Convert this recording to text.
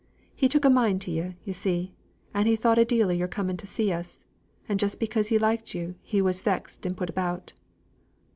He took a mind to ye, yo' see, and he thought a deal o' your coming to see us; and just because he liked yo' he was vexed and put about."